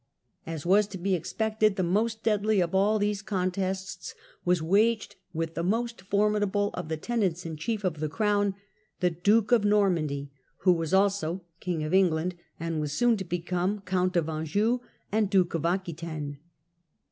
As was to be expected, the most deadly of all these contests was waged with the most formidable of the tenants in chief of the Crown, the Duke of Normandy, who was also King of England, and was soon to become Count of Anjou and Duke of Aquitaine.